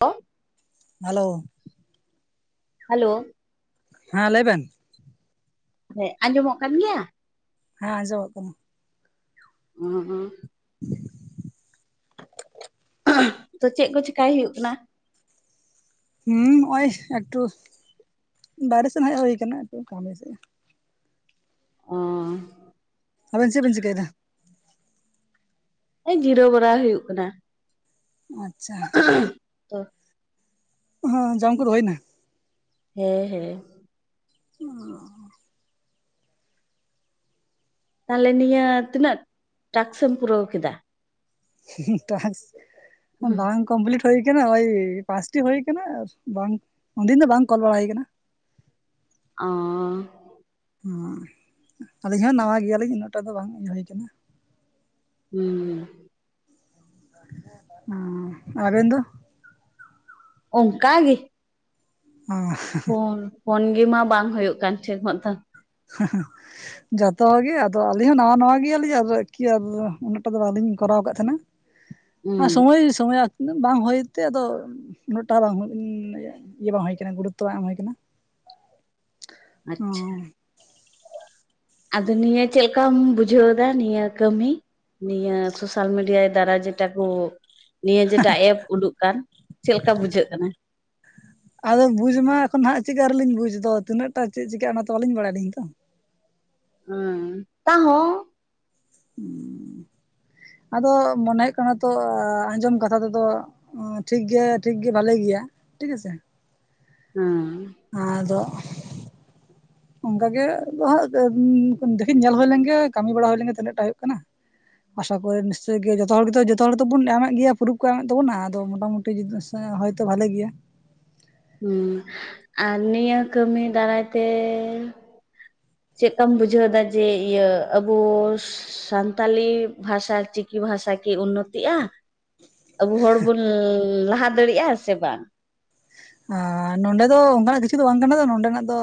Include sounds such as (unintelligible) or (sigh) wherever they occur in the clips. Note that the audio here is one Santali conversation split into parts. ᱚ ᱦᱮᱞᱳ ᱾ ᱦᱮᱞᱳ ᱾ ᱦᱮᱸ ᱞᱟᱹᱭᱵᱮᱱ ᱾ ᱦᱮᱸ ᱟᱸᱡᱚᱢᱚᱜ ᱠᱟᱱ ᱜᱮᱭᱟ ᱾ ᱦᱮᱸ ᱟᱸᱡᱚᱢᱚᱜ ᱠᱟᱱᱟ ᱾ ᱩᱦᱩᱸ (inaudible) ᱛᱚ ᱪᱮᱫ ᱠᱚ ᱪᱮᱠᱟᱭ ᱦᱩᱭᱩᱜ ᱠᱟᱱᱟ ᱾ ᱦᱩᱸ ᱱᱚᱜᱼᱚᱭ ᱮᱠᱴᱩ ᱵᱟᱨᱮ ᱥᱮᱫ ᱦᱮᱡ ᱦᱩᱭ ᱟᱠᱟᱱᱟ ᱮᱠᱴᱩ ᱠᱟᱹᱢᱤ ᱥᱮᱫ ᱚᱸᱻ ᱟᱵᱮᱱ ᱪᱮᱜ ᱵᱮᱱ ᱪᱤᱠᱟᱹᱭᱮ ᱫᱟ ᱡᱤᱨᱟᱹᱣ ᱵᱟᱲᱟ ᱦᱩᱭᱩᱜ ᱠᱟᱱᱟ ᱾ ᱟᱪᱷᱟ ᱾ ᱛᱚᱸ ᱦᱚᱸ ᱡᱚᱢ ᱠᱚᱫᱚ ᱦᱩᱭᱱᱟ ᱾ ᱦᱮᱸ ᱦᱮᱸ (inaudible) ᱛᱟᱦᱚᱞᱮ ᱱᱤᱭᱟᱹ ᱛᱤᱱᱟᱹᱜ ᱴᱟᱠᱥᱮᱢ ᱯᱩᱨᱟᱹᱣ ᱠᱮᱫᱟ ᱾ ᱴᱟᱠᱥ ᱵᱟᱝ ᱾ ᱠᱚᱢᱯᱞᱤᱴ ᱦᱩᱭ ᱟᱠᱟᱱᱟ ᱳᱭ ᱯᱟᱸᱪᱴᱤ ᱦᱩᱭᱩ ᱠᱟᱱᱟ ᱟᱨ ᱵᱟᱝ ᱩᱱᱫᱤᱱ ᱫᱚ ᱵᱟᱝ ᱠᱚᱞ ᱵᱟᱲᱟ ᱦᱩᱭ ᱟᱠᱟᱱᱟ ᱚᱸ (unintelligible) (unintelligible) ᱟᱹᱞᱤᱧ ᱦᱚᱸ ᱱᱟᱣᱟ ᱜᱮᱭᱟᱞᱤᱧ ᱩᱱᱟᱹᱜᱴᱟ ᱫᱚ ᱵᱟᱝ ᱤᱭᱟᱹ ᱦᱩᱭ ᱟᱠᱟᱱᱟ ᱩᱸ (unintelligible) ᱚᱸ ᱟᱨᱻᱮᱱ ᱫᱚ ᱚᱱᱠᱟ ᱜᱮ ᱦᱚᱸ (unintelligible) ᱯᱷᱳᱱ ᱯᱷᱳᱱ ᱜᱮ ᱢᱟ ᱵᱟᱝ ᱦᱩᱭᱩᱜ ᱠᱟᱱ ᱴᱤᱠ ᱢᱚᱛᱚ (unintelligible) ᱡᱚᱛᱚ ᱦᱚᱲ ᱜᱮ ᱟᱫᱚ ᱟᱹᱞᱤᱧ ᱦᱚᱸ ᱱᱟᱣᱟ ᱱᱟᱣᱟ ᱜᱮᱭᱟᱞᱤᱧ ᱟᱨᱠᱤ (unintelligible) ᱟᱨ (unintelligible) ᱩᱱᱟᱹᱜ ᱴᱟ ᱫᱚ ᱵᱟᱹᱞᱤᱧ ᱠᱚᱨᱟᱣ ᱟᱠᱟᱫ ᱛᱟᱦᱮᱸᱱᱟ ᱛᱟᱦᱮᱱᱟ (inaudible) (unintelligible) ᱥᱚᱢᱚᱭ ᱥᱚᱢᱚᱭ (unintelligible) ᱩᱱᱟᱹᱜ ᱵᱟᱝ ᱦᱩᱭᱛᱮ ᱟᱫᱚ ᱩᱱᱟᱹᱜ ᱴᱟ ᱵᱟᱝ ᱩᱱ ᱤᱭᱟᱹ ᱵᱟᱝ ᱦᱩᱭᱩ ᱟᱠᱟᱱᱟ ᱜᱩᱨᱩᱛ ᱛᱚ ᱵᱟᱝ ᱮᱢ ᱦᱩᱭ ᱟᱠᱟᱱᱟ ᱟᱪᱪᱷᱟ ᱟᱫᱚ ᱱᱤᱭᱟᱹ ᱪᱮᱫ ᱞᱮᱠᱟᱢ ᱵᱩᱡᱷᱟᱹᱣ ᱮᱫᱟ ᱱᱤᱭᱟᱹ ᱠᱟᱹᱢᱤ ᱱᱤᱭᱟᱹ ᱥᱳᱥᱟᱞ ᱢᱤᱰᱤᱭᱟ ᱫᱟᱨᱟ ᱡᱮᱴᱟ ᱠᱚ ᱱᱤᱭᱟᱸ ᱡᱮᱴᱟ ᱮᱯ ᱩᱰᱩᱻᱜ ᱠᱟᱱ ᱪᱮᱫᱮ ᱞᱮᱠᱟ ᱵᱩᱡᱷᱟᱹᱜ ᱠᱟᱱᱟ ᱟᱫᱚ ᱵᱩᱡᱽ ᱢᱟ ᱮᱠᱷᱚᱱ ᱦᱟᱸᱜ ᱪᱮᱫ ᱜᱮ ᱟᱹᱨᱤ ᱞᱤᱧ ᱵᱩᱡᱽ ᱫᱚ ᱛᱤᱱᱟᱹᱜ ᱴᱟᱜ ᱪᱮᱜ ᱪᱤᱠᱟᱹᱜᱼᱟ ᱚᱱᱟ ᱛᱚ ᱵᱟᱞᱤᱧ ᱵᱟᱲᱟᱭ ᱟᱹᱞᱤᱧ ᱛᱚ ᱦᱩᱸ ᱛᱟᱦᱚᱸ (inaudible) ᱟᱫᱚ ᱢᱚᱱᱮ ᱦᱩᱭᱩᱜ ᱠᱟᱱᱟ ᱛᱚ ᱟᱸᱡᱚᱢ ᱠᱟᱛᱷᱟ ᱛᱮᱫᱚ ᱚ ᱴᱷᱤᱠ ᱜᱮ ᱴᱷᱤᱠ ᱜᱮ ᱵᱷᱟᱞᱮ ᱜᱮᱭᱟ ᱴᱷᱤᱠ ᱟᱪᱷᱮ ᱦᱚᱸ (unintelligible) ᱟᱫᱚ (inaudible) ᱚᱱᱠᱟ ᱜᱮ ᱦᱟᱸᱜ (unintelligible) ᱫᱤᱠᱷᱤ ᱧᱮᱞ ᱦᱩᱭᱳ ᱞᱮᱱᱜᱮ ᱠᱟᱹᱢᱤ ᱵᱟᱲᱟ ᱦᱩᱭ ᱞᱮᱱᱜᱮ ᱛᱤᱱᱟᱹᱜᱴᱟᱜ ᱦᱩᱭᱩᱜ ᱠᱟᱱᱟ ᱟᱥᱟ ᱠᱚᱨᱮ ᱱᱤᱥᱪᱚᱭ ᱜᱮ ᱡᱚᱛᱚ ᱦᱚᱲ ᱜᱮᱛᱚ ᱡᱚᱛᱚ ᱦᱚᱲ ᱫᱚᱵᱚᱱ ᱮᱢᱮᱫ ᱜᱮᱭᱟ ᱯᱩᱨᱩᱵ ᱠᱚ ᱮᱢᱮᱫ ᱛᱟᱵᱚᱱᱟ ᱟᱫᱚ ᱢᱚᱴᱟ ᱢᱚᱴᱤ (unintelligible) ᱦᱚᱭᱛᱚ ᱵᱷᱟᱞᱮ ᱜᱮᱭᱟ ᱩᱸ ᱟᱨ ᱱᱤᱭᱟᱹ ᱠᱟᱹᱢᱤ ᱫᱟᱨᱟᱻᱭ ᱛᱮ ᱪᱮᱜᱠᱟᱢ ᱵᱩᱡᱷᱟᱹᱣᱮᱫᱼᱟ ᱤᱭᱟᱹ ᱡᱮ ᱟᱵᱚ (unintelligible) ᱥᱟᱱᱛᱟᱞᱤ ᱵᱷᱟᱥᱟ ᱚᱞ ᱪᱤᱠᱤ ᱵᱷᱟᱥᱟ ᱠᱤ ᱩᱱᱱᱚᱛᱤᱜᱼᱟ ᱟᱵᱩ ᱦᱚᱲᱵᱩᱱ (unintelligible) ᱞᱟᱦᱟ ᱫᱟᱲᱮᱭᱟᱜᱼᱟ ᱥᱮ ᱵᱟᱝ ᱟᱨ ᱱᱚᱰᱮ ᱫᱚ ᱚᱱᱠᱟᱱᱟᱜ ᱠᱤᱪᱷᱩ ᱫᱚ ᱵᱟᱝ ᱠᱟᱱᱟ ᱱᱚᱰᱮ ᱱᱟᱜ ᱫᱚ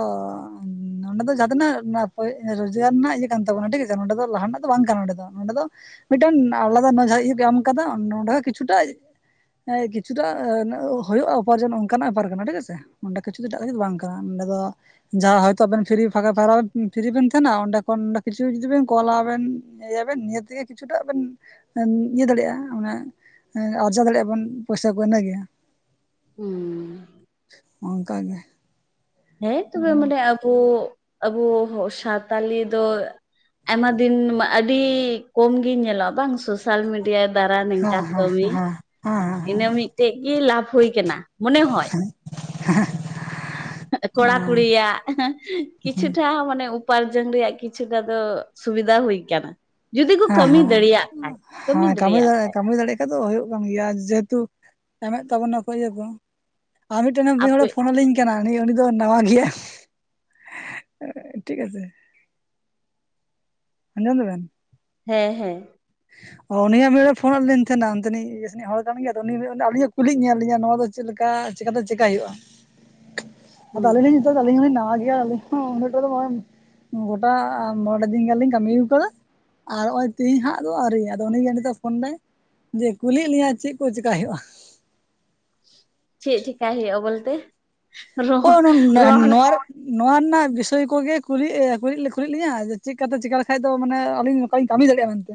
ᱱᱚᱸᱰᱮ ᱫᱚ ᱡᱟᱦᱟᱸ ᱛᱤᱱᱟᱹᱜ ᱨᱳᱡᱽᱜᱟᱨ ᱨᱮᱱᱟᱜ ᱤᱭᱟᱹ ᱠᱟᱱ ᱛᱟᱵᱚᱱᱟ ᱴᱷᱤᱠ ᱟᱪᱷᱮ ᱱᱚᱸᱰᱮ ᱫᱚ ᱞᱟᱦᱟᱱᱟᱜ ᱫᱚ ᱵᱟᱝ ᱠᱟᱱᱟ ᱱᱚᱸᱰᱮ ᱫᱚ ᱱᱚᱸᱰᱮ ᱫᱚ ᱢᱤᱫᱴᱮᱱ ᱟᱞᱟᱫᱟ ᱱᱚᱡᱟ ᱤᱭᱟᱹ ᱮᱢ ᱠᱟᱫᱟ ᱱᱚᱰᱷᱟ ᱠᱤᱪᱩᱴᱟᱜ ᱦᱮᱸᱭ ᱠᱤᱪᱷᱩᱴᱟᱜ ᱦᱩᱭᱩᱜᱼᱟ ᱩᱯᱟᱨᱡᱚᱱᱚ ᱚᱱᱠᱟᱱᱟᱜ ᱵᱮᱯᱟᱨ ᱠᱟᱱᱟ ᱴᱷᱤᱠ ᱟᱪᱷ ᱚᱸᱰᱮ ᱠᱤᱪᱷᱩ ᱫᱚ ᱮᱴᱟᱜ ᱠᱤᱪᱷᱩ ᱵᱟᱝ ᱠᱟᱱᱟ ᱱᱚᱸᱰᱮ ᱫᱚ ᱡᱟᱦᱟᱸ ᱦᱚᱭᱛᱳ ᱟᱵᱮᱱ ᱯᱷᱤᱨᱤ ᱯᱟᱭᱨᱟ ᱯᱷᱤᱨᱤ ᱵᱮᱱ ᱛᱟᱦᱮᱱᱟ ᱚᱸᱰᱮ ᱠᱷᱚᱱ ᱠᱤᱪᱷᱩ ᱡᱩᱫᱤ ᱵᱮᱱ ᱠᱚᱞᱟ ᱵᱮᱱ ᱤᱭᱟᱹᱵᱮᱱ ᱱᱤᱭᱟᱹ ᱛᱮᱜᱮ ᱠᱤᱪᱷᱩᱴᱟ ᱵᱮᱱ ᱤᱭᱟᱹ ᱫᱟᱲᱮᱭᱟᱜᱼᱟ ᱚᱱᱟ ᱮᱸ ᱟᱨᱡᱟᱣ ᱫᱟᱲᱮᱭᱟᱜᱼᱟ ᱵᱚᱱ ᱯᱚᱭᱥᱟ ᱠᱚ ᱤᱱᱟᱹᱜᱮ ᱦᱩᱸ (unintelligible) (unintelligible) ᱚᱱᱠᱟᱜ ᱜᱮ ᱦᱮᱸ ᱛᱚᱵᱮ ᱢᱟᱱᱮ ᱟᱵᱚ ᱟᱵᱚ ᱥᱟᱣᱛᱟᱞᱤ ᱫᱚ ᱟᱭᱢᱟ ᱫᱤᱱ ᱟᱹᱰᱤ ᱠᱚᱢᱜᱤ ᱧᱮᱞᱚᱜᱼᱟ ᱵᱟᱝ ᱥᱮ ᱥᱳᱥᱟᱞ ᱢᱤᱰᱤᱭᱟ ᱫᱟᱨᱟ ᱦᱮᱸ ᱱᱤᱝᱠᱟ ᱦᱮᱸ ᱦᱮᱸ ᱦᱮᱸ ᱠᱟᱹᱢᱤ ᱤᱱᱟᱹ ᱢᱤᱫᱴᱮᱡ ᱜᱮᱤ ᱞᱟᱵᱷ ᱦᱳᱭ ᱟᱠᱟᱱᱟ ᱢᱚᱱᱮ ᱦᱚᱭ (unintelligible) ᱠᱚᱲᱟ ᱠᱩᱲᱤᱭᱟᱜ ᱠᱤᱪᱷᱩᱴᱟᱜ ᱦᱚᱸ ᱢᱟᱱᱮ ᱩᱯᱟᱨᱡᱚᱱ ᱨᱮᱭᱟᱜ ᱠᱤᱪᱷᱩᱜᱼᱟ ᱫᱚ ᱥᱩᱵᱤᱫᱷᱟ ᱦᱩᱭ ᱟᱠᱟᱱᱟ (unintelligible) ᱡᱩᱫᱤ ᱠᱚ ᱦᱮᱸ ᱦᱮᱸ ᱠᱟᱹᱢᱤ ᱦᱮᱸ ᱫᱟᱹᱲᱤᱭᱟᱜ ᱠᱷᱟᱡ ᱠᱟᱹᱢᱤ ᱫᱟᱹᱲᱤᱭᱟᱜ ᱠᱷᱟᱡ ᱥᱮ ᱫᱚ ᱦᱳᱭᱳᱜ ᱠᱟᱱ ᱜᱮᱭᱟ ᱡᱮᱦᱮᱛᱩ ᱮᱢᱼᱮᱫ ᱛᱟᱵᱚᱱᱟᱠᱚ ᱤᱭᱟᱹ ᱠᱚ᱾ ᱟᱨ ᱢᱤᱫᱴᱮᱱ ᱢᱤᱫ ᱦᱚᱲᱮ ᱟᱯᱮ ᱯᱷᱳᱱ ᱟᱹᱞᱤᱧ ᱠᱟᱱᱟ ᱩᱱᱤ ᱩᱱᱤ ᱫᱚ ᱱᱟᱣᱟ ᱜᱮᱭᱟ᱾ ᱴᱷᱤᱠ ᱟᱪᱷᱮ ᱟᱸᱡᱚᱢ ᱫᱟᱵᱤᱱ? ᱦᱮᱸ ᱦᱮᱸ᱾ ᱩᱱᱤ ᱦᱟᱸᱜ ᱢᱤᱫ ᱫᱤᱱᱮ ᱯᱷᱳᱱᱼᱟᱜ ᱞᱤᱧ ᱛᱟᱦᱮᱱᱟ ᱚᱱᱛᱮᱱᱤᱡ ᱤᱭᱟᱹ ᱥᱮᱱᱤᱡ ᱦᱚᱲ ᱠᱟᱱ ᱜᱮᱭᱟ ᱛᱚ ᱩᱱᱤ ᱩᱱᱤ ᱢᱮᱱ ᱫᱟ ᱟᱹᱞᱤᱧᱼᱮᱜ ᱠᱩᱞᱤᱭ ᱧᱮᱞ ᱞᱤᱧᱟ ᱱᱚᱣᱟ ᱫᱚ ᱪᱮᱫ ᱞᱮᱠᱟ ᱪᱮᱠᱟᱛᱮ ᱪᱮᱠᱟ ᱦᱩᱭᱩᱜ-ᱟ ᱟᱫᱚ ᱦᱩᱸ ᱟᱹᱞᱤᱧ ᱞᱤᱧ ᱱᱤᱛᱚᱜ ᱫᱚ ᱟᱹᱞᱤᱧ ᱦᱚᱞᱤᱧ ᱱᱟᱣᱟ ᱜᱮᱭᱟ ᱟᱹᱞᱤᱧ ᱦᱚᱸ ᱩᱱᱟᱹᱜ ᱴᱟ ᱫᱚ ᱵᱟᱝ ᱜᱚᱴᱟ ᱢᱚᱬᱮ ᱫᱤᱱ ᱜᱟᱱ ᱞᱤᱧ ᱠᱟᱹᱢᱤ ᱟᱠᱟᱫᱟ ᱟᱨ ᱱᱚᱜᱼᱚᱭ ᱛᱮᱦᱤᱧ ᱦᱟᱸᱜ ᱟᱫᱚ ᱟᱹᱣᱨᱤ ᱟᱫᱚ ᱩᱱᱤᱜᱮ ᱱᱤᱛᱚᱜ ᱯᱷᱳᱱ ᱫᱟᱭ᱾ ᱡᱮ ᱠᱩᱞᱤᱭᱮᱫ ᱞᱤᱧᱟᱭ ᱪᱮᱫ ᱠᱚ ᱪᱤᱠᱟᱭ ᱦᱩᱭᱩᱜᱼᱟ? ᱪᱮᱫ ᱪᱤᱠᱟᱭ ᱦᱳᱭᱳᱜᱼᱟ ᱵᱳᱞᱛᱮ ᱾ ᱱᱚᱣᱟ (unintelligible) ᱱᱚᱣᱟ ᱨᱮᱱᱟᱜ ᱵᱤᱥᱚᱭ ᱠᱚᱜᱮ ᱠᱩᱞᱤ ᱠᱩᱞᱤ ᱠᱩᱞᱤᱮᱫ ᱞᱤᱧᱟᱹ ᱡᱮ ᱪᱮᱫ ᱠᱟᱛᱮ ᱪᱮᱠᱟ ᱞᱮᱠᱟᱡ ᱫᱚ ᱢᱟᱱᱮ ᱟᱹᱞᱤᱧ ᱦᱳᱭ ᱠᱟᱹᱢᱤ ᱫᱟᱲᱮᱭᱟᱜᱼᱟ ᱢᱮᱱᱛᱮ᱾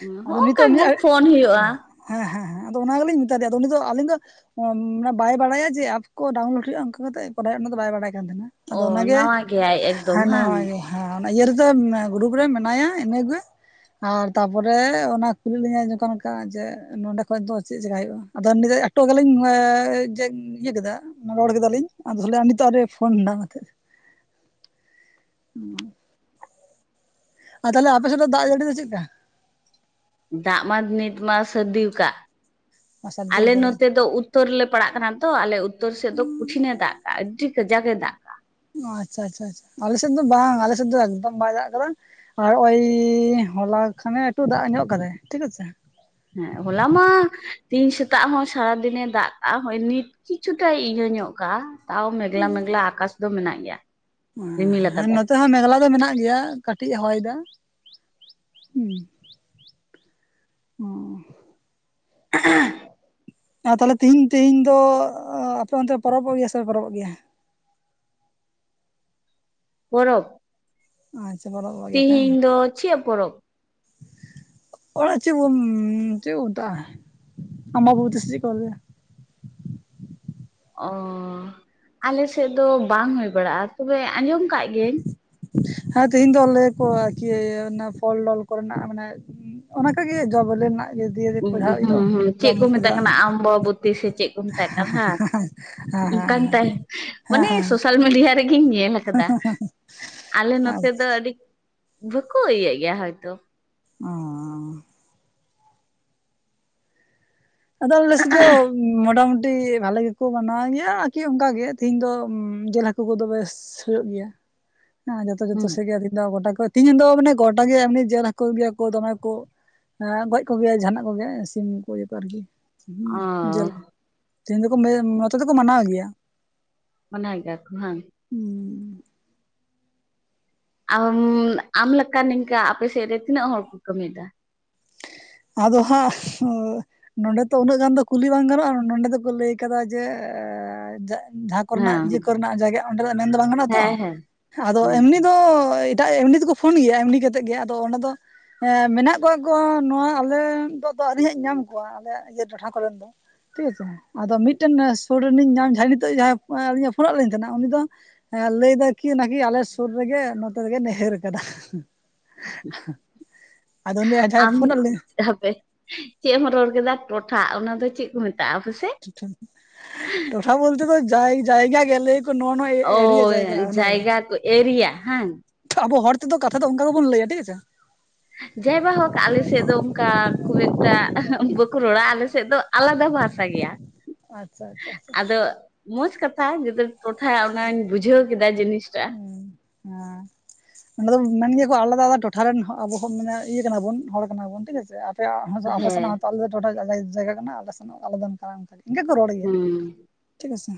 ᱦᱚᱸ ᱟᱫᱚ ᱱᱚᱝᱠᱟ ᱱᱤᱛᱚᱜ ᱢᱤᱫ ᱜᱮ ᱯᱷᱳᱱ ᱦᱩᱭᱩᱜᱼᱟ᱾ ᱦᱮᱸ ᱦᱮᱸ ᱦᱮᱸ ᱟᱫᱚ ᱚᱱᱟ ᱜᱮᱞᱤᱧ ᱢᱮᱛᱟ ᱫᱮᱭᱟ ᱟᱫᱚ ᱩᱱᱤ ᱫᱚ ᱟᱞᱤᱧ ᱫᱚ ᱵᱟᱭ ᱵᱟᱲᱟᱭᱟ ᱡᱮ ᱠᱚ ᱰᱟᱣᱩᱱᱞᱳᱰ ᱦᱩᱭᱩᱜᱼᱟ ᱚᱱᱠᱟ ᱠᱟᱛᱮᱫ ᱵᱟᱲᱟᱭᱚᱜ ᱚᱱᱟ ᱫᱚ ᱵᱟᱭ ᱵᱟᱲᱟᱭ ᱠᱟᱱ ᱛᱟᱦᱮᱱᱟ ᱟᱫᱚ ᱚ ᱚᱱᱟᱜᱮ ᱱᱟᱣᱟ ᱜᱮᱭᱟᱭ ᱮᱠᱫᱚᱢ ᱟᱨ ᱦᱟᱝ ᱱᱚᱜᱼᱚᱭ ᱦᱮᱸ ᱚᱱᱟ ᱤᱭᱟᱹ ᱨᱮᱫᱚ ᱜᱨᱩᱯ ᱨᱮ ᱢᱮᱱᱟᱭᱟ, ᱤᱱᱟᱹ ᱜᱮ ᱟᱨ ᱛᱟᱯᱚᱨᱮ ᱚᱱᱟ ᱠᱩᱞᱤ ᱞᱤᱧᱟᱹᱭ ᱡᱚᱛᱚ ᱱᱚᱝᱠᱟ ᱡᱮ ᱱᱚᱸᱰᱮ ᱠᱷᱚᱡ ᱫᱚ ᱪᱮᱫ ᱪᱮᱠᱟ ᱦᱩᱭᱩᱜᱼᱟ ᱾ ᱟᱫᱚ ᱩᱱᱱᱤ ᱫᱚ ᱟᱴᱚᱜ ᱟᱞᱤᱧ ᱢᱟᱻ ᱤᱭᱟᱹ ᱠᱮᱫᱟ᱾ ᱨᱚᱲ ᱠᱮᱫᱟᱞᱤᱧ ᱟᱫᱚ ᱛᱟᱦᱚᱞᱮ ᱱᱤᱛᱚᱜ ᱟᱨ ᱦᱚᱸᱭ ᱯᱷᱳᱱ ᱫᱟ ᱚᱱᱟᱛᱮ᱾ ᱩᱸ ᱟᱨ ᱛᱟᱦᱚᱞᱮ ᱟᱯᱮ ᱥᱮᱫ ᱫᱟᱜ ᱡᱟᱹᱲᱤ ᱫᱚ ᱪᱮᱫᱠᱟ? ᱫᱟᱜ ᱢᱟ ᱱᱤᱛ ᱢᱟ ᱥᱟᱹᱨᱫᱤ ᱟᱠᱟᱫ ᱥᱟᱹᱨᱫᱤ ᱟᱞᱮ ᱠᱟᱫᱟᱭ ᱱᱚᱛᱮ ᱫᱚ ᱩᱫ ᱩᱛᱛᱚᱨ ᱨᱮᱞᱮ ᱯᱟᱲᱟᱜ ᱠᱟᱱᱟ ᱛᱚ ᱟᱞᱮ ᱩᱛᱛᱚᱨ ᱥᱮᱫ ᱫᱚ ᱠᱩᱴᱷᱤᱱ ᱮ ᱫᱟᱜ ᱠᱟᱸᱜᱼᱟ ᱫᱟ ᱟᱹᱰᱤ ᱠᱟᱡᱟᱠ ᱮ ᱫᱟᱜ ᱚ ᱟᱪᱪᱷᱟ ᱟᱪᱪᱷᱟ ᱟᱪᱪᱷᱟ᱾ ᱟᱞᱮᱥᱮᱫ ᱫᱚ ᱵᱟᱝ ᱟᱞᱮ ᱥᱮᱫ ᱫᱚ ᱮᱠᱫᱚᱢ ᱵᱟᱭ ᱫᱟᱜ ᱟᱠᱟᱫᱟ᱾ ᱟᱨ ᱳᱭ ᱦᱚᱞᱟ ᱠᱷᱟᱱᱮ ᱮᱠᱴᱩ ᱫᱟᱜ ᱧᱚᱜ ᱟᱠᱟᱫᱟᱭ ᱾ ᱴᱷᱤᱠ ᱟᱪᱷᱮ ᱦᱮᱸ ᱦᱚᱞᱟ ᱢᱟ ᱛᱮᱦᱮᱧ ᱥᱮᱛᱟᱜ ᱦᱚᱸ ᱥᱟᱨᱟ ᱫᱤᱱᱮ ᱫᱟᱜ ᱠᱟᱸᱜᱼᱟ ᱦᱳᱭ ᱱᱤᱛ ᱠᱤᱪᱷᱩ ᱴᱟᱭ ᱤᱭᱟᱹ ᱧᱚᱜ ᱠᱟᱜᱼᱟ ᱛᱟᱣ ᱢᱮᱜᱞᱟ ᱢᱮᱜᱞᱟ ᱟᱠᱟᱥ ᱫᱚ ᱢᱮᱱᱟᱜ ᱜᱮᱭᱟ᱾ ᱨᱤᱢᱤᱞ ᱦᱮᱸ ᱟᱠᱟᱫᱟᱭ ᱱᱚᱛᱮ ᱦᱚᱸ ᱢᱮᱜᱞᱟ ᱫᱚ ᱢᱮᱱᱟᱜ ᱜᱮᱭᱟ ᱾ ᱠᱟᱹᱴᱤᱡ ᱮ ᱦᱚᱭᱮᱫᱟ᱾ ᱚᱸᱻ (inaudible) ᱟᱨ ᱛᱟᱦᱚᱞᱮ ᱛᱤᱦᱤᱧ ᱛᱮᱦᱤᱧ ᱫᱚ ᱟᱯᱮ ᱚᱱᱛᱮ ᱯᱚᱨᱚᱵᱚᱜ ᱜᱮᱭᱟ ᱥᱮ ᱵᱟᱯᱮ ᱯᱚᱨᱚᱵᱚᱜ ᱜᱮᱭᱟ? ᱯᱚᱨᱚᱵᱽ, ᱟᱪᱪᱷᱟ ᱯᱚᱨᱚᱵᱚᱜ ᱛᱮᱦᱤᱧ ᱫᱚ ᱪᱮᱫ ᱯᱚᱨᱚᱵᱽ? ᱚᱲᱟᱜ ᱪᱮᱫ ᱵᱚᱱ ᱪᱮᱫ ᱵᱚ ᱢᱮᱛᱟᱜᱼᱟ? ᱟᱢᱵᱟᱵᱩᱛᱤ ᱥᱮ ᱪᱮᱫ ᱠᱚ ᱞᱟᱹᱭᱟ? ᱚᱻ ᱟᱞᱮ ᱥᱮᱫ ᱫᱚ ᱵᱟᱝ ᱦᱩᱭ ᱵᱟᱲᱟᱜᱼᱟ ᱛᱚᱵᱮ ᱟᱸᱡᱚᱢ ᱠᱟᱜ ᱜᱤᱭᱟᱹᱧ ᱦᱮᱸ ᱛᱮᱦᱤᱧ ᱫᱚ ᱞᱟᱹᱭᱟᱠᱚ ᱠᱤ ᱚᱱᱟ ᱯᱷᱚᱞ ᱰᱚᱞ ᱠᱚᱨᱮᱱᱟᱜ ᱢᱟᱱᱮ ᱚᱱᱟ ᱠᱚ ᱜᱮ ᱡᱚ ᱵᱮᱞᱮ ᱨᱮᱱᱟᱜ ᱜᱮ ᱫᱤᱭᱮ ᱫᱚ ᱦᱩᱸ ᱡᱟᱦᱟᱸ ᱫᱚ ᱦᱩᱸ ᱪᱮᱫ ᱡᱚᱢ ᱠᱚ ᱢᱮᱛᱟᱜ ᱡᱟ ᱠᱟᱱᱟ ᱟᱢᱵᱟᱵᱚᱛᱤ ᱥᱮ ᱪᱮᱫ ᱠᱚ ᱢᱮᱛᱟᱜ ᱠᱟᱱᱟ ᱦᱟᱸ? ᱦᱮᱸ ᱚᱱᱠᱟᱱ ᱦᱮᱸ ᱛᱟᱭ ᱦᱮᱸ ᱚᱱᱮ ᱦᱮᱸ ᱥᱳᱥᱟᱞ ᱢᱤᱰᱤᱭᱟ ᱨᱮᱜᱤᱧ ᱧᱮᱞᱟᱼᱼ ᱠᱟᱫᱟ ᱟᱞᱮ ᱦᱮᱸ ᱱᱚᱛᱮ ᱫᱚ ᱟᱹᱰᱤᱡ ᱵᱷᱩᱹᱠᱩ ᱤᱭᱟᱹᱜ ᱜᱮᱭᱟ ᱦᱚᱭᱛᱚ᱾ ᱚᱸᱻ ᱟᱫᱚ ᱟᱞᱮ ᱥᱮᱫ ᱫᱚ ᱢᱚᱴᱟ ᱢᱩᱴᱤ ᱵᱷᱟᱞᱮ ᱜᱮᱠᱚ ᱢᱟᱱᱟᱣ ᱜᱮᱭᱟ ᱟᱨᱠᱤ ᱚᱱᱠᱟ ᱜᱮ ᱛᱤᱦᱤᱧ ᱫᱚ ᱡᱤᱞ ᱦᱟᱹᱠᱩ ᱠᱚᱫᱚ ᱵᱮᱥ ᱦᱩᱭᱩᱜ ᱜᱮᱭᱟ ᱦᱮᱸ ᱡᱚᱛᱚ ᱡᱚᱛᱚ ᱦᱩᱸ ᱪᱟᱥᱤ ᱜᱮ ᱢᱤᱫ ᱫᱷᱟᱣ ᱜᱳᱴᱟ ᱠᱚ ᱛᱮᱦᱤᱧ ᱫᱚ ᱢᱟᱱᱮ ᱜᱚᱴᱟ ᱜᱮ ᱮᱢᱱᱤ ᱡᱮᱞ ᱦᱟᱹᱠᱳ ᱜᱮᱭᱟ ᱠᱚ ᱫᱚᱢᱮ ᱠᱚ, ᱮᱸ ᱜᱚᱡ ᱠᱚᱜᱮᱭᱟ ᱡᱟᱦᱟᱱᱟᱜ ᱠᱚᱜᱮ ᱥᱤᱢ ᱠᱚ ᱤᱭᱟᱹ ᱠᱚ ᱟᱨᱠᱤ, ᱚ ᱦᱮᱸ ᱡᱮᱞ ᱛᱮᱦᱮᱧ ᱫᱚᱠᱚ ᱱᱚᱛᱮ ᱫᱚᱠᱚ ᱢᱟᱱᱟᱣ ᱮᱫ ᱜᱮᱭᱟ ᱾ ᱢᱟᱱᱟᱭ ᱜᱮᱭᱟ ᱠᱚ ᱦᱟᱸᱝ? ᱦᱩᱸ ᱟᱢ ᱟᱢ ᱞᱮᱠᱟ ᱱᱤᱝᱠᱟ ᱟᱯᱮᱥᱮᱫ ᱨᱮ ᱛᱤᱱᱟᱹᱜ ᱦᱚᱲ ᱠᱚ ᱠᱟᱹᱢᱤ ᱭᱮᱫᱟ? ᱟᱫᱚ ᱦᱟᱸᱜ ᱩᱸᱼᱼ ᱱᱚᱸᱰᱮ ᱛᱚ ᱩᱱᱟᱹᱜ ᱜᱟᱱ ᱫᱚ ᱠᱩᱞᱤ ᱵᱟᱝ ᱜᱟᱱᱚᱜ-ᱟ ᱱᱚᱸᱰᱮ ᱫᱚᱠᱚ ᱞᱟᱹᱭ ᱠᱟᱫᱟ ᱡᱮ ᱮᱻᱡᱟᱜᱼᱼ‌ ᱡᱟᱦᱟᱸ ᱠᱚᱨᱮ ᱱᱟᱜ ᱡᱮ ᱤᱭᱟᱹ ᱦᱮᱸ ᱠᱚᱨᱮ‌ ᱱᱟᱜ ᱡᱟᱭᱜᱟ ᱚᱸᱰᱮ ᱫᱚ ᱢᱮᱱ ᱫᱚ ᱵᱟᱝ ᱜᱟᱱᱚᱜ-ᱟ ᱛᱚ᱾ ᱦᱮᱸ ᱦᱮᱸ ᱦᱮᱸ ᱟᱫᱚ ᱮᱢᱱᱤ ᱫᱚ ᱮᱴᱟᱜ ᱮᱢᱱᱤ ᱫᱩᱠᱩᱼᱼ ᱯᱷᱩᱱ ᱜᱮᱭᱟ ᱮᱢᱱᱤ ᱠᱟ ᱠᱟᱛᱮᱜ ᱜᱮ ᱟᱫᱚ ᱚᱱᱟ ᱫᱚ ᱮᱸ ᱢᱮᱱᱟᱜ ᱠᱚᱣᱟ ᱜᱚ ᱱᱚᱶᱟᱼᱼ ᱟᱞᱮ ᱫᱚ ᱟᱫᱚ ᱟᱹᱣᱨᱤ ᱦᱟᱸᱜ ᱧᱟᱢ ᱠᱚᱣᱟ ᱟᱞᱮ ᱭᱟᱜ ᱤᱭᱟᱹ ᱴᱚᱴᱷᱟ ᱠᱚᱨᱮᱱ ᱫᱚ᱾ ᱛᱤᱥᱚᱝ ᱟᱫᱚ ᱢᱤᱫᱴᱮᱱ ᱥᱩᱲᱤ ᱱᱤᱡ ᱧᱟᱢ ᱡᱟᱦᱟᱸ ᱱᱤᱛᱚᱜ ᱡᱟᱦᱟᱸᱭ ᱟᱹᱞᱤ ᱧᱮ ᱯᱷᱩᱱᱟᱜ ᱞᱤᱧ ᱛᱟᱦᱮᱱᱟ ᱩᱱᱤ ᱫᱚᱼᱼ ᱦᱮᱸ ᱞᱟᱹᱭ ᱫᱟᱠᱤᱱ ᱱᱟᱠᱤ ᱟᱞᱮ ᱥᱩᱨ ᱨᱮᱜᱮ ᱱᱚᱛᱮ ᱨᱮᱜᱮ ᱱᱟᱹᱭᱦᱟᱹᱨ ᱠᱟᱫᱟ ᱦᱩᱸ᱾ (inaudible) ᱟᱫᱚ ᱩᱱᱤ ᱡᱟᱦᱟᱸᱭ ᱟᱢ ᱯᱷᱩᱱᱟᱜ ᱞᱤᱧᱼᱼ ᱦᱟᱯᱮ ᱪᱮᱜ ᱮᱢ ᱨᱚᱲ ᱠᱮᱫᱟ ᱴᱚᱴᱷᱟ ᱚᱱᱟ ᱫᱚ ᱪᱤᱜ ᱠᱚ ᱢᱮᱛᱟᱼᱼ ᱴᱚᱴᱷᱟ, ᱴᱚᱴᱷᱟ ᱵᱩᱞᱛᱮ ᱫᱚ ᱡᱟᱭ ᱡᱟᱭᱜᱟ ᱜᱮ ᱞᱚᱹᱭ ᱠᱚᱼᱼ ᱠᱚ ᱱᱚᱣᱟ ᱱᱚᱶᱟ ᱚ ᱮᱲᱤᱭᱟ ᱡᱟᱭᱜᱟ ᱚᱱᱟ ᱜᱮ᱾ ᱡᱟᱭᱜᱟ ᱠᱚ ᱮᱨᱤᱭᱟ ᱦᱟᱝ (inaudible) ᱟᱵᱚ ᱦᱚᱲ ᱛᱮᱫᱚ ᱠᱟᱛᱷᱟ ᱫᱚ ᱚᱱᱠᱟ ᱜᱮᱵᱚᱱ ᱞᱟᱹᱭᱟ ᱴᱷᱤᱠ ᱜᱮ ᱥᱮ᱾ ᱡᱟᱭ ᱵᱟᱦᱳᱠ ᱟᱞᱮ ᱥᱮᱫ ᱫᱚ ᱚᱱᱠᱟ ᱠᱷᱩᱵ ᱮᱠᱴᱟ ᱮᱦᱮᱸ ᱵᱟᱹᱠᱩ ᱨᱚᱲᱟ ᱟᱞᱮ‌ ᱥᱮᱫ ᱫᱚ ᱟᱞᱟᱫᱟ ᱵᱷᱟᱥᱟ ᱜᱮᱭᱟ᱾ ᱟᱪᱪᱷᱟ ᱟᱪᱪᱷᱟ ᱟᱪᱪᱷᱟ (inaudible) ᱟᱫᱚ ᱢᱚᱪᱷ ᱠᱟᱛᱷᱟ ᱡᱩᱫᱟᱹᱼᱼ ᱴᱚᱴᱷᱟ ᱚᱱᱟᱧ ᱵᱩᱡᱷᱟᱹᱣ ᱠᱮᱫᱟ ᱡᱤᱱᱤᱥ ᱴᱟ᱾ ᱦᱩ ᱸ ᱟᱸ᱾ ᱱᱚᱸᱰᱮ ᱫᱚᱱ ᱢᱮᱱ ᱜᱮᱭᱟ ᱠᱚ ᱟᱞᱮᱫᱟ ᱟᱞᱮᱫᱟ ᱴᱚᱴᱷᱟ ᱨᱮᱱ ᱦᱚᱸ ᱟᱵᱚ ᱦᱚᱸ ᱢᱟᱱᱮ ᱤᱭᱟᱹ ᱠᱟᱱᱟ ᱵᱚᱱ ᱦᱚᱲ ᱠᱟᱱᱟ ᱵᱚᱱ ᱴᱷᱤᱠ ᱟᱪᱷᱮ ᱟᱨᱼᱼ ᱟᱯᱮᱭᱟᱜ‌ ᱦᱚᱸ ᱡᱮ‌ ᱟᱯᱮ ᱥᱮᱱᱟᱜ ᱦᱮᱸ ‌ᱦᱚᱸᱛᱚ ᱟᱞᱮ ᱴᱚᱴᱷᱟ ᱡᱟᱭᱜᱟ ᱡᱟᱭᱜᱟ ᱠᱟᱱᱟ ᱟᱞᱮ ᱥᱮᱱᱟᱜ ᱟᱞᱮᱫᱟ ᱱᱚᱠᱟ ᱚᱱᱠᱟ ᱜᱮ ᱤᱱᱠᱟᱹ ᱠᱚ ᱨᱚᱲ ᱜᱮᱭᱟ᱾ ᱦᱩᱸ ᱴᱷᱤᱠ ᱟᱪᱷᱮ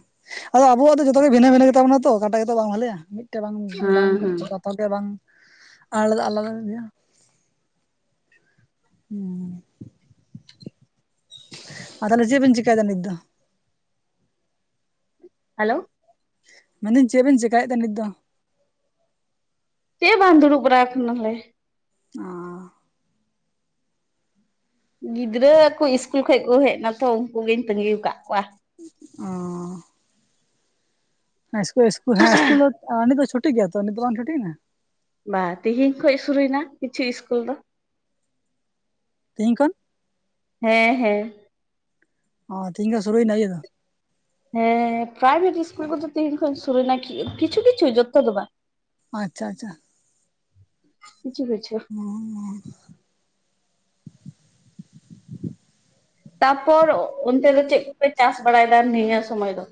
ᱟᱫᱚ ᱟᱵᱚᱣᱟᱜ ᱡᱚᱛᱚ ᱜᱮ ᱵᱷᱤᱱᱟᱹ ᱵᱷᱤᱱᱟᱹ ᱜᱮᱛᱟ ᱵᱚᱱᱟ ᱛᱚ ᱠᱟᱴᱟᱜ ᱜᱮᱛᱚ ᱵᱟᱝ ᱵᱷᱟᱞᱮᱭᱟ, ᱢᱤᱫᱼᱼ ᱴᱮᱜ ᱵᱟᱝ ᱵᱟᱝ ᱦᱮᱸ ᱦᱮᱸ ᱵᱟ ᱛᱟᱦᱚᱞᱮ‌ ᱵᱟᱝ ᱟᱞᱮᱫᱟ ᱟᱞᱟᱫᱟ ᱜᱮᱭᱟ᱾ ᱦᱩᱸ᱾ ᱟᱨ ᱛᱟᱦᱞᱮ‌ ᱡᱮᱜ ᱵᱤᱱ ᱪᱤᱠᱟᱭ ᱫᱟ ᱱᱤᱛ ᱫᱚ? ᱦᱟᱞᱳᱣ᱾ ᱢᱮᱱ ᱫᱟᱹᱧ ᱪᱮᱜ ᱵᱮᱱ ᱪᱮᱠᱟ ᱭᱮᱜ ᱛᱮ ᱱᱤᱛ ᱫᱚ? ᱪᱮᱫ ᱦᱚᱸ ᱵᱟᱝ ᱫᱩᱲᱩᱵ ᱵᱟᱨᱟ ᱟᱠᱟᱱᱟ ᱞᱮ᱾ ᱚᱸ᱾ ᱜᱤᱫᱽᱨᱟᱹ ᱠᱩ ᱤᱥᱠᱩᱞ ᱠᱷᱚᱡ ᱠᱚ ᱦᱮᱡ ᱱᱟ ᱛᱷᱚ ᱩᱱᱠᱩ ᱜᱤᱧ ᱛᱟᱺᱜᱤ ᱣᱟᱠᱟᱜ ᱠᱚᱣᱟ᱾ ᱚᱸᱻ᱾ ᱦᱮᱸ ᱮᱥᱠᱩ ᱮᱥᱠᱩ ᱦᱮᱸ ᱮᱥᱠᱩᱞ ᱚ ᱱᱤᱛ ᱫᱚ ᱪᱷᱩᱴᱤ ᱜᱮᱭᱟ ᱛᱚ ᱱᱤᱛ ᱫᱚ ᱵᱟᱝ ᱪᱷᱩᱴᱤᱭ ᱮᱱᱟ? ᱵᱟ ᱛᱤᱦᱤᱧ ᱠᱷᱚᱱ ᱥᱩᱨᱩᱭ ᱱᱟ ᱠᱤᱪᱷᱩᱭ ᱤᱥᱠᱩᱞ ᱫᱚ᱾ ᱛᱮᱦᱮᱧ ᱠᱷᱚᱱᱼᱼ ᱦᱮᱸ ᱦᱮᱸ᱾ ᱚ ᱛᱤᱦᱤᱧ ᱠᱷᱚᱡ ᱥᱩᱨᱩᱭ ᱱᱟ‌ ᱤᱭᱟᱹ ᱫᱚ᱾ ᱦᱮᱸ ᱯᱨᱟᱭᱵᱷᱮᱴ ᱤᱥᱠᱩᱞ ᱠᱚᱫᱚ ᱛᱤᱦᱤᱧ ᱠᱷᱚᱡ ᱥᱩᱨᱩᱭ ᱮᱱᱟ ᱠᱷᱤ ᱠᱤᱪᱷᱩ ᱠᱤᱪᱷᱩ ᱡᱚᱛᱚ ᱫᱚ ᱵᱟᱝ᱾ ᱟᱸᱪᱪᱷᱟ ᱟᱪᱪᱷᱟ᱾ (inaudible) ᱠᱤᱪᱷᱩ ᱵᱚᱪᱷᱚᱼᱼ (inaudible) ᱛᱟᱯᱚᱨ ᱚᱱᱛᱮ ᱫᱚ ᱪᱮᱫ ᱠᱚᱯᱮ ᱪᱟᱥ ᱵᱟᱲᱟᱭᱮᱫᱟ ᱱᱤᱭᱟᱹ ᱥᱚᱢᱚᱭ ᱫᱚ?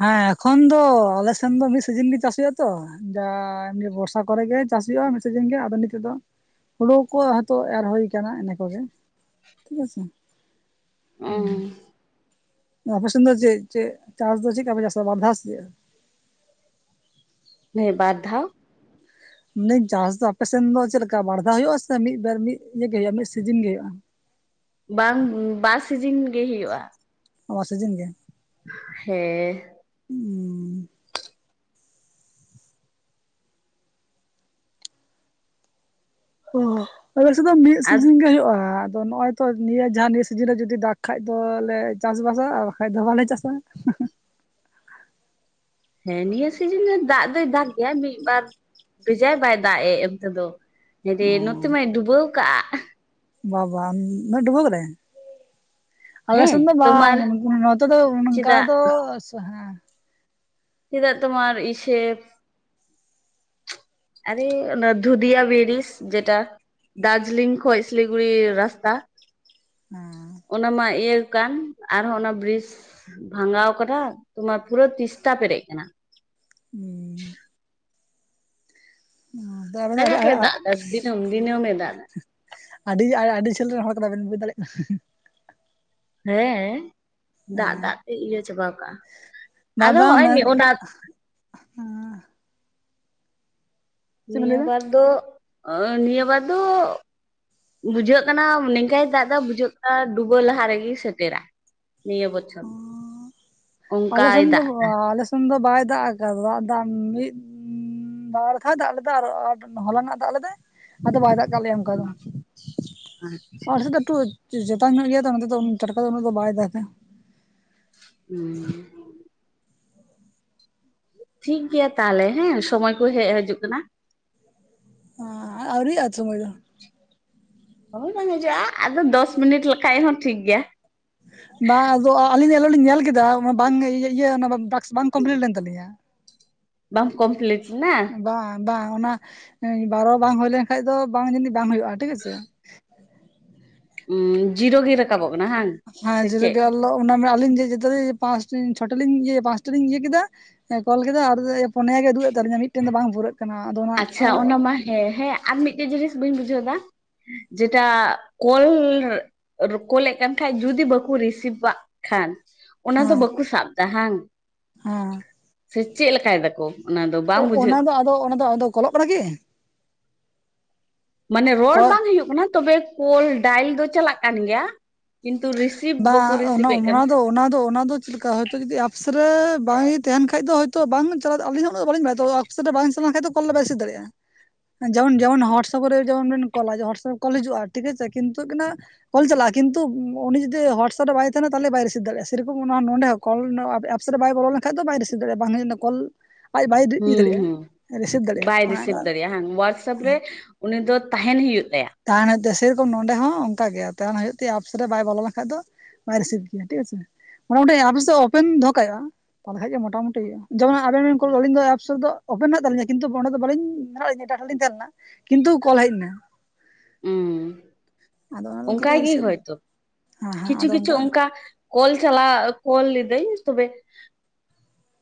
ᱦᱮᱸ ᱮᱠᱷᱚᱱ ᱫᱚ ᱟᱞᱮ ᱥᱮᱱ ᱫᱚ ᱢᱤᱫ ᱥᱤᱡᱤᱱ ᱜᱮ ᱪᱟᱥ ᱦᱩᱭᱩᱜ-ᱟ ᱛᱚ᱾ ᱡᱟ ᱮᱢᱱᱤ ᱵᱚᱨᱥᱟ ᱠᱚᱨᱮᱜᱮ ᱪᱟᱥ ᱦᱩᱭᱩᱜ-ᱟ, ᱢᱤᱫ ᱥᱤᱡᱮᱱ ᱜᱮ ᱟᱫᱚ ᱱᱤᱛᱚᱜ ᱫᱚ ᱦᱩᱲᱩ ᱠᱚ ᱦᱮᱸᱛᱚᱜ ᱮᱨ ᱦᱩᱭ ᱠᱟᱱᱟ ᱤᱱᱟᱹ ᱠᱚᱜᱮ ᱴᱷᱤᱠ ᱟᱪᱷᱮ᱾ ᱚᱸ᱾ ᱱᱟ ᱟᱯᱮ ᱥᱮᱱ ᱫᱚ ᱪᱮᱫ ᱪᱮᱜ ᱪᱟᱥ ᱫᱚ ᱪᱤᱜ ᱠᱟ ᱯᱮ ᱪᱟᱥᱟ ᱵᱟᱨ ᱫᱷᱟᱣ ᱥᱮ ᱪᱮᱫ? ᱱᱮ ᱵᱟᱨ ᱫᱷᱟᱣ? ᱢᱮᱱᱟᱹᱧ ᱪᱟᱥ ᱫᱚ ᱟᱯᱮ ᱥᱮᱱ ᱫᱚ ᱪᱮᱫ ᱞᱮᱠᱟ ᱵᱟᱲ ᱫᱷᱟᱣ ᱦᱩᱭᱩᱜ-ᱟ ᱥᱮ ᱢᱤᱫ ᱵᱟᱨ ᱢᱤᱫ‌ ᱢᱤᱜ ᱜᱮ ᱦᱩᱭᱩᱜᱼᱟ ᱢᱤᱜ ᱥᱤᱡᱤᱱ ᱜᱮ ᱦᱩᱭᱩᱜ-ᱟ᱾ ᱵᱟᱝ ᱵᱟᱨ ᱥᱤᱡᱤᱱ ᱜᱮ ᱦᱩᱭᱩᱜ-ᱟ᱾ ᱱᱚᱶᱟ ᱥᱤᱡᱤᱱ ᱜᱮ᱾ ᱦᱮᱸ᱾ ᱦᱩᱸ ᱚᱦ ᱟᱞᱮ‌ ᱥᱮᱫ ᱫᱚ ᱢᱤᱫ ᱟᱨ ᱥᱤᱡᱤᱱ ᱜᱮ ᱦᱩᱭᱩᱜ-ᱟ ᱟᱫᱚ ᱱᱚᱜ-ᱚᱭᱼᱼ ᱛᱚ ᱱᱤᱭᱟᱹ ᱡᱟᱦᱟᱸ ᱱᱤᱭᱟᱹ ᱥᱤᱡᱤᱱ ᱨᱮ ᱡᱩᱫᱤ ᱫᱟᱜᱽ ᱠᱷᱟᱭᱡ ᱫᱚ ᱞᱮ ᱪᱟᱥ ᱵᱟᱥᱟ ᱟᱨ ᱵᱟᱠᱷᱟᱡ ᱫᱚ ᱵᱟᱞᱮ ᱪᱟᱥ-ᱟ᱾ ᱦᱮᱸ ᱱᱤᱭᱟᱹ ᱥᱤᱡᱤᱱ ᱨᱮ ᱫᱟᱜ ᱫᱚᱭ ᱫᱟᱜ ᱜᱮᱭᱟ, ᱢᱤᱫ ᱵᱟᱨ ᱵᱮᱡᱟᱭ ᱵᱟᱭ ᱫᱟᱜ ᱮ ᱚᱱᱛᱮᱫᱚ᱾ ᱦᱟᱭᱨᱮᱸ ᱱᱚᱛᱮ ᱢᱟᱭ ᱰᱩᱵᱟᱹᱣ ᱠᱟᱜ᱾ ᱵᱟ ᱵᱟᱝ ᱩᱱᱟᱹᱜ ᱰᱩᱵᱟᱹᱣ ᱠᱟᱫᱟᱭ? ᱟᱞᱮ ᱦᱮᱸ ᱥᱮᱱ ᱫᱚ ᱵᱟᱝ ᱛᱳᱢᱟᱨ ᱱᱚᱛᱮ ᱫᱚ ᱚᱱᱠᱟ ᱪᱮᱫᱟᱜ ᱫᱚ ᱦᱮᱸ ᱪᱮᱫᱟᱜ ᱛᱳᱢᱟᱨ ᱤᱥᱮᱵ ᱟᱨᱮ ᱚᱱᱟ ᱫᱷᱩᱫᱤᱭᱟ ᱵᱤᱲᱤᱥ ᱡᱮᱴᱟ ᱫᱟᱨᱡᱤᱞᱤᱝ ᱠᱷᱚᱭᱜ ᱥᱤᱞᱤᱜᱩᱲᱤ ᱨᱟᱥᱛᱟ ᱦᱮᱸ ᱚᱱᱟ ᱢᱟ ᱤᱭᱟᱹ ᱠᱟᱱ ᱟᱨᱦᱚᱸ ᱚᱱᱟ ᱵᱨᱤᱥ ᱵᱷᱟᱸᱜᱟᱣ ᱠᱟᱱᱟ ᱛᱳᱢᱟᱨ ᱯᱩᱨᱟᱹ ᱛᱤᱥᱛᱟ ᱯᱮᱨᱮᱡ ᱠᱟᱱᱟ᱾ ᱩᱸ᱾ (inaudible) ᱠᱟᱡᱟᱠ ᱮ ᱫᱟᱜᱫᱟ ᱫᱤᱱᱚᱢ ᱫᱤᱱᱚᱢᱮ ᱫᱟᱜ ᱫᱟ᱾ ᱟᱹᱰᱤ ᱟᱹᱰᱤ ᱡᱷᱟᱹᱞ ᱨᱮᱱ ᱦᱚᱲ ᱠᱟᱱᱟ ᱵᱮᱱ ᱵᱩᱡᱽ ᱫᱟᱲᱮᱭᱟᱜ ᱠᱟᱱᱟ᱾ ᱦᱮᱸᱻ ᱠᱟᱱᱟ ᱫᱟᱜ ᱫᱟᱜ ᱛᱮ ᱤᱭᱟᱹ ᱪᱟᱵᱟ ᱠᱟᱜ-ᱟ, ᱵᱟᱝ ᱟᱫᱚ ᱵᱟᱝ ᱦᱚᱜ-ᱚᱭ ᱵᱟᱝ ᱚᱱᱟ ᱪᱮᱫ ᱵᱮᱱ ᱞᱟᱹᱭᱫᱟ ᱱᱤᱭᱟᱹᱵᱟᱨ ᱫᱚ ᱱᱤᱭᱟᱹᱵᱟᱨ ᱫᱚ ᱵᱩᱡᱷᱟᱹᱜ ᱠᱟᱱᱟ ᱱᱮᱝᱠᱟᱭ ᱫᱟᱜ ᱫᱟ ᱵᱩᱡᱷᱟᱹᱜ ᱠᱟᱱᱟ ᱰᱩᱵᱟᱹ ᱞᱟᱦᱟ ᱨᱮᱜᱮ ᱥᱮᱴᱮᱨᱟ᱾ ᱱᱤᱭᱟᱹ ᱵᱚᱪᱷᱚᱨ᱾ ᱚᱱᱠᱟᱭ ᱟᱞᱮᱥᱮᱱ ᱫᱚ ᱫᱟᱜ ᱮᱫᱟ ᱟᱞᱮᱥᱱ ᱫᱚ ᱵᱟᱭ ᱫᱟᱜ ᱮᱫᱟ ᱫᱟᱜ ᱫᱟ ᱢᱤᱫ ᱵᱟᱲᱠᱷᱟ ᱫᱟᱜ ᱞᱮᱫᱟ ᱟᱨ ᱦᱚᱞᱟ ᱱᱟᱜ ᱫᱟᱜ ᱞᱮᱫᱟᱭ᱾ ᱟᱫᱚ ᱵᱟᱭ ᱫᱟᱜ ᱠᱟᱜ ᱞᱮᱭᱟ ᱚᱱᱠᱟ ᱫᱚ ᱟᱞ ᱥᱮᱫ ᱫᱚᱴᱩ ᱪᱮᱛᱟᱱ ᱧᱚᱜ ᱜᱮᱭᱟ ᱛᱚ ᱱᱚᱛᱮ ᱫᱚ ᱴᱟᱴᱠᱟ ᱩᱱᱟᱹᱜ ᱫᱚ ᱵᱟᱭ ᱫᱟᱜᱫᱟ ᱦᱮᱸ ᱴᱷᱤᱠᱜᱮᱭᱟ ᱛᱟᱦᱚᱞᱮ ᱦᱮᱸ ᱥᱚᱢᱚᱭ ᱠᱚ ᱦᱮᱡ ᱦᱤᱡᱩᱜ ᱠᱟᱱᱟ᱾ ᱚᱸ ᱟᱹᱣᱨᱤ (inaudible) ᱥᱚᱢᱚᱭ ᱫᱚ ᱦᱳᱭ ᱵᱟᱝ ᱦᱤᱡᱩᱜ-ᱟ ᱟᱫᱚ ᱫᱚᱥ ᱢᱤᱱᱤᱴ ᱞᱮᱠᱷᱟᱭᱜ ᱦᱚᱸ ᱴᱷᱤᱠ ᱜᱮᱭᱟ ᱵᱟᱝ ᱟᱫᱚ ᱟᱹᱞᱤᱧ ᱫᱚ ᱟᱞᱚ ᱞᱤᱧ ᱧᱮᱞ ᱠᱮᱫᱟ ᱚᱱᱟ ᱵᱟᱝ ᱤᱭᱟᱹ ᱚᱱᱟ ᱴᱟᱠᱥ ᱵᱟᱝ ᱠᱚᱢᱯᱞᱤᱴ ᱞᱮᱱ ᱛᱟᱞᱤᱧᱟ ᱵᱟᱢ ᱠᱚᱢᱯᱞᱤᱴ ᱱᱟ ᱵᱟᱝ ᱵᱟᱝ ᱚᱱᱟ ᱵᱟᱨᱚ ᱵᱟᱝ ᱦᱳᱭ ᱞᱮᱱᱠᱷᱟᱭᱜ ᱫᱚ ᱵᱟᱝ ᱡᱟᱱᱤᱜ ᱫᱟᱢ ᱦᱩᱭᱩᱜ-ᱟ ᱴᱷᱤᱠ ᱟᱪᱷᱮ ᱚᱸ ᱡᱤᱨᱚ ᱜᱮ ᱨᱟᱠᱟᱵᱚᱜ ᱠᱟᱱᱟ ᱦᱟᱝ ᱦᱮᱸ ᱡᱤᱨᱚ ᱜᱤ ᱚᱞᱚᱜ ᱚᱱᱟ ᱢᱮ ᱟᱞᱤᱧ ᱡᱮ ᱡᱚᱛᱚᱨᱮ ᱯᱟᱥᱴᱤ ᱪᱷᱚᱴᱤ ᱞᱤᱧ ᱯᱟᱥᱴᱤ ᱞᱤᱧ ᱤᱭᱟᱹ ᱠᱮᱫᱟ ᱦᱮᱸ ᱠᱚᱞ ᱠᱮᱫᱟ ᱟᱨ ᱯᱚᱱᱭᱟ ᱜᱮ ᱩᱫᱩᱜᱮᱜ ᱛᱟᱞᱤᱧᱟ ᱢᱤᱫᱴᱮᱱ ᱫᱚ ᱵᱟᱝ ᱯᱩᱨᱟᱹᱜ ᱠᱟᱱᱟ ᱠᱟᱱᱟ ᱟᱫᱚ ᱚᱱᱟ ᱟᱪᱷᱟ ᱚᱱᱟ ᱢᱟ ᱦᱮᱸ ᱦᱮᱸ ᱟᱨ ᱢᱤᱫᱴᱮᱡ ᱡᱤᱱᱤᱥ ᱵᱟᱹᱧ ᱵᱩᱡᱷᱟᱹᱣ ᱫᱟ ᱡᱮᱴᱟ ᱠᱚᱞ ᱠᱚᱞᱮᱫ ᱠᱟᱱ ᱠᱷᱟᱡ ᱡᱩᱫᱤ ᱵᱟᱠᱚ ᱨᱤᱥᱤᱵᱷ ᱟ᱾ ᱠᱷᱟᱱ ᱚᱱᱟ ᱫᱚ ᱦᱮᱸ ᱵᱟᱠᱚ ᱥᱟᱵ ᱫᱟ ᱦᱟᱝ ᱦᱮᱸ ᱥᱮ ᱪᱮᱫ ᱞᱮᱠᱟᱭ ᱫᱟᱠᱚ᱾ ᱚᱱᱟ ᱫᱚ ᱵᱟᱝ ᱚᱱᱟ ᱵᱩᱡᱷᱟᱹᱜ ᱫᱚ ᱟᱫᱚ ᱚᱱᱟ ᱠᱚᱞᱚᱜ ᱠᱟᱱᱟ ᱠᱤ ᱢᱟᱱᱮ ᱨᱚᱲ ᱠᱚ ᱵᱟᱝ ᱦᱩᱭᱩᱜ ᱠᱟᱱᱟ ᱛᱚᱵᱮ ᱠᱚᱞ ᱰᱟᱭᱤᱞ ᱫᱚ ᱪᱟᱞᱟᱜ ᱠᱟᱱ ᱜᱮᱭᱟ ᱠᱤᱱᱛᱩ ᱨᱤᱥᱤ ᱵᱟ ᱚᱱᱟ ᱚᱱᱟ ᱫᱚ ᱚᱱᱟ ᱫᱚ ᱚᱱᱟ ᱫᱚ ᱪᱮᱫ ᱞᱮᱠᱟ ᱛᱚ ᱡᱩᱫᱤ ᱮᱯᱥ ᱨᱮ ᱵᱟᱝ ᱤ ᱛᱟᱦᱮᱱ ᱠᱷᱟᱡ ᱫᱚ ᱦᱚᱭ ᱛᱚ ᱵᱟᱝ ᱪᱟᱞᱟᱜ ᱟᱹᱞᱤᱧ ᱦᱚᱸ ᱩᱱᱟᱹᱜ ᱵᱟᱹᱞᱤᱧ ᱵᱟᱲᱟᱭ ᱮᱯᱥ ᱨᱮ ᱵᱟᱝ ᱪᱟᱞᱟᱣᱮᱱ ᱠᱷᱟᱡ ᱫᱚ (unintelligible) ᱨᱮᱥᱤᱵ ᱫᱟᱲᱮᱭᱟᱜ-ᱟ᱾ ᱡᱚᱱ ᱡᱚᱱ ᱦᱳᱣᱟᱴᱥᱟᱯᱨᱮ ᱡᱚᱱ ᱠᱚᱞᱟ ᱦᱳᱣᱟᱴᱥᱟᱯ ᱠᱚᱞ ᱦᱤᱡᱩᱜ-ᱟ ᱴᱷᱤᱠᱟᱪᱷᱮ ᱠᱤᱱᱛᱩ ᱠᱟᱱᱟ ᱠᱳᱞ ᱪᱟᱞᱟᱜ ᱠᱤᱱᱛᱩ ᱩᱱᱤ ᱡ ᱦᱳᱣᱟᱴᱥᱟᱯ ᱨᱮ ᱵᱟᱭ ᱛᱟᱦᱮᱱᱟ ᱛᱟᱦᱚᱞᱮ ᱵᱟᱭ ᱨᱤᱥᱵ ᱫᱟᱲᱮᱭᱟᱜ ᱥᱮᱨᱠᱚᱢ ᱱᱚᱰᱮ ᱠᱚᱞ ᱟᱨᱥᱮᱱᱨᱮ ᱵᱟᱭ ᱵᱟᱲᱟᱭ ᱞᱮᱠᱷᱟᱱ (inaudible) ᱫᱚ ᱵᱟᱭ ᱨᱤᱥᱤᱵ ᱫᱟᱲᱮᱭᱟᱜ-ᱟ ᱵᱟᱝ ᱦᱩᱭᱩᱜᱱᱟ ᱠᱚᱞ ᱟᱡ ᱵᱟᱭ ᱤᱭᱟᱹ ᱦᱩᱸ ᱦᱩᱸ ᱫᱟᱲᱮᱭᱟᱜᱼᱟ ᱨᱤᱥᱤᱵᱷ ᱫᱟᱲᱮᱭᱟᱜᱼᱟ ᱵᱟᱭ ᱚᱱᱮ ᱨᱤᱥᱤᱵᱷ ᱚᱱᱠᱟ ᱫᱟᱲᱮᱭᱟᱜ-ᱟ ᱦᱟᱝ ᱦᱳᱣᱟᱴᱥᱟᱯ ᱨᱮ ᱩᱱᱤ ᱫᱚ ᱛᱟᱦᱮᱸᱱ ᱦᱩᱭᱩᱜ ᱛᱟᱭᱟ᱾ ᱛᱟᱦᱮᱸᱱ ᱦᱩᱭᱩᱜ ᱛᱟᱭᱟ ᱥᱮᱨᱚᱠᱚᱢ ᱱᱚᱸᱰᱮ ᱦᱚᱸ ᱚᱱᱠᱟ ᱜᱮ ᱛᱟᱦᱮᱸᱱ ᱦᱩᱭᱩᱜ ᱛᱟᱭᱟ ᱟᱯᱥ ᱨᱮ ᱵᱟᱭ ᱵᱚᱞᱚ ᱞᱮᱠᱷᱟᱱ ᱫᱚ᱾ ᱵᱟᱭ ᱨᱤᱥᱤᱵ ᱜᱮᱭᱟ ᱴᱷᱤᱠ ᱟᱪᱷᱮ ᱚᱸᱰᱮ ᱟᱯᱤᱥ ᱫᱚ ᱚᱯᱮᱱ ᱫᱚᱦᱚ ᱠᱟᱜᱦᱩᱭᱩᱜ-ᱟ ᱚᱱᱟᱦᱟᱡ ᱜᱮ ᱢᱚᱴᱟᱢᱩᱴᱤ ᱡᱮᱢᱚᱱ ᱟᱵᱮᱱ ᱵᱮᱱ ᱠᱚᱞ ᱟᱹᱞᱤᱧ ᱫᱚ ᱮᱯᱥ ᱨᱮᱫᱚ ᱳᱯᱮᱱ ᱱᱟᱜ ᱛᱤᱧᱟ ᱠᱤᱱᱛᱩ ᱚᱸᱰᱮ ᱵᱟᱹᱞᱤᱧ ᱢᱮᱱᱟᱜ ᱞᱤᱧᱟ ᱮᱴᱟᱜ ᱴᱷᱮᱱ ᱞᱤᱧ ᱛᱟᱦᱮᱸ ᱞᱮᱱᱟ ᱠᱤᱱᱛᱩ ᱠᱚᱞ ᱦᱮᱜ ᱱᱟ ᱟᱫᱚ ᱦᱩᱸ ᱚᱱᱟ ᱠᱟᱛᱮ ᱚᱝᱠᱟᱭ ᱜᱮ ᱨᱤᱥᱤᱵᱷ ᱦᱚᱭᱛᱚ ᱦᱮᱸ ᱦᱮᱸ ᱠᱤᱪᱷᱩ ᱟᱫᱚ ᱠᱤᱪᱷᱩ ᱚᱱᱠᱟ ᱠᱚᱞ ᱪᱟᱞᱟᱜ ᱠᱚᱞ ᱞᱤᱫᱟᱹᱭ ᱛᱚᱵᱮ